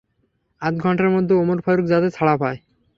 আধঘণ্টার মধ্যে ওমর ফারুক যাতে ছাড়া পায়।